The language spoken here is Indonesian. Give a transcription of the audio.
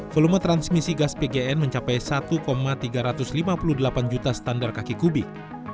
volume transmisi gas pgn mencapai satu tiga ratus lima puluh delapan juta standar kaki kubik